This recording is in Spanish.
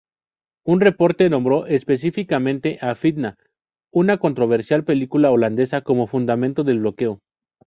Un reporte nombró específicamente a "Fitna", una controversial película holandesa, como fundamento del bloqueo.